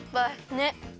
ねっ。